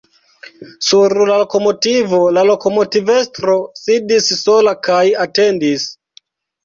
Sur la lokomotivo la lokomotivestro sidis sola kaj atendis.